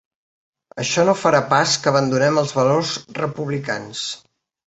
Això no farà pas que abandonem els valors republicans.